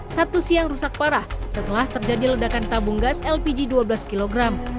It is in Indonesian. sabtu siang rusak parah setelah terjadi ledakan tabung gas lpg dua belas kg